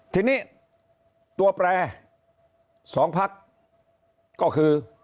ทีนี้ตัวแปล๒ภักดิ์ก็คือ